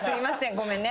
ごめんね。